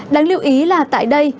đáng lưu ý là tại đây